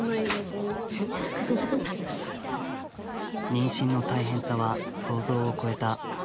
妊娠の大変さは想像を超えた。